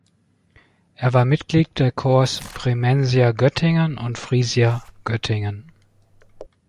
Er war Mitglied der Corps Bremensia Göttingen und Frisia Göttingen.